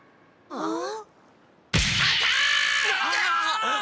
あっ？